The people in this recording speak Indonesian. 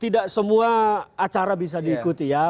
tidak semua acara bisa diikuti ya